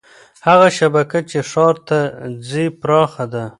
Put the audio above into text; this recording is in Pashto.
هغه شبکه چې ښار ته ځي پراخه ده.